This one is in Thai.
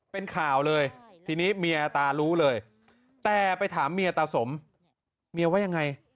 เป็นข่าวเลยทีนี้เมียตารู้เลยแต่ไปถามเมียตาสมเมียว่ายังไง